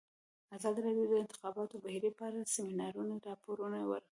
ازادي راډیو د د انتخاباتو بهیر په اړه د سیمینارونو راپورونه ورکړي.